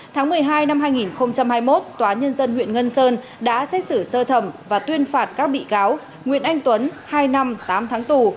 tháng một mươi hai năm hai nghìn hai mươi một tòa nhân dân huyện ngân sơn đã xét xử sơ thẩm và tuyên phạt các bị cáo nguyễn anh tuấn hai năm tám tháng tù